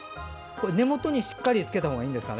根元に、しっかりとつけたほうがいいんですかね？